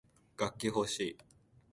楽器ほしい